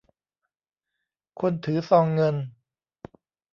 คนถือซองเงิน